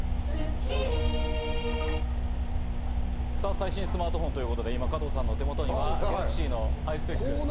最新スマートフォンということで加藤さんの手元にはＧａｌａｘｙのハイスペックの新機種。